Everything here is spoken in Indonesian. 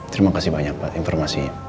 terima kasih banyak pak informasi